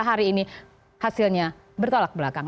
hari ini hasilnya bertolak belakang